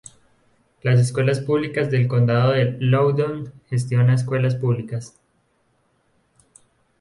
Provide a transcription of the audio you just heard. Las Escuelas Públicas del Condado de Loudoun gestiona escuelas públicas.